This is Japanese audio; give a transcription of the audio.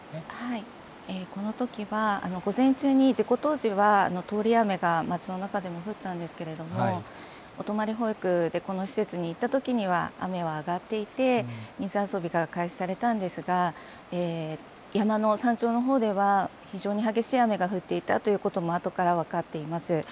このときは午前中に事故当時は、通り雨が町の中でも降ったんですけれども、お泊り保育で、この施設に行ったときには雨は上がっていて、水遊びが開始されたんですが、山の山頂のほうでは、非常に激しい雨が降っていたということも、あとから分かっています。